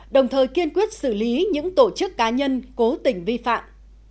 đồng thời kiên quyết xử lý những tổ chức cá nhân cố tình vi phạm